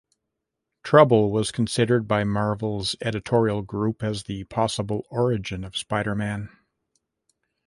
"Trouble" was considered by Marvel's editorial group as the possible origin of Spider-Man.